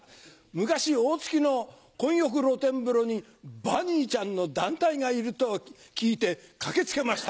昔大月の混浴露天風呂にバニーちゃんの団体がいると聞いて駆け付けました。